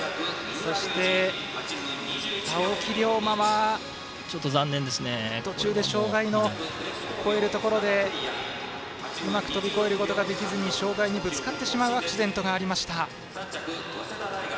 青木涼真は途中で障害を越えるところでうまく飛び越えることができずに障害にぶつかってしまうアクシデントがありました。